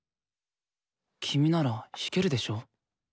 君なら弾けるでしょ。